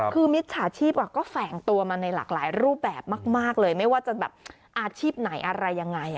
คือมิจฉาชีพก็แฝงตัวมาในหลากหลายรูปแบบมากเลยไม่ว่าจะแบบอาชีพไหนอะไรยังไง